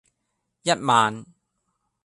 一萬